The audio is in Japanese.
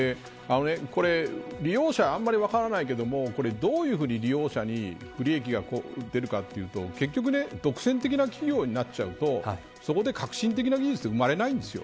これ、利用者はあんまり分からないけどどういうふうに利用者に不利益をこうもってるかというと結局、独占的な企業になっちゃうとそこで革新的な技術は生まれないんですよ。